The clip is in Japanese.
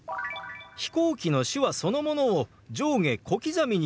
「飛行機」の手話そのものを上下小刻みに揺らして表現します。